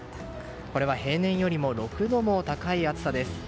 これは平年より６度も高い暑さです。